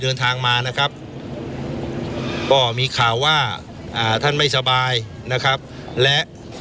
เดินทางมานะครับก็มีข่าวว่าอ่าท่านไม่สบายนะครับและ